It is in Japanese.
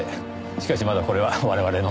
しかしまだこれは我々の。